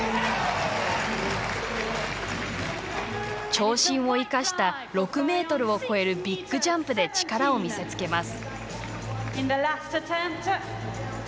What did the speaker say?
長身を生かした６ｍを超えるビッグジャンプで力を見せつけます。